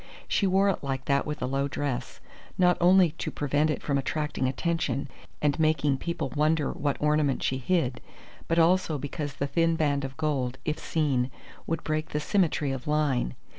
She wore it like that with a low dress, not only to prevent it from attracting attention and making people wonder what ornament she hid, but also because the thin band of gold, if seen, would break the symmetry of line.